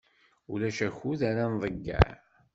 Ulac akud ara nḍeyyeɛ.